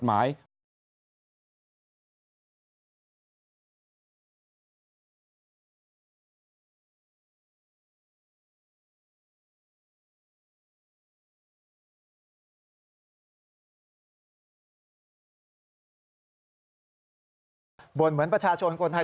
สวัสดีครับท่านผู้ชมครับ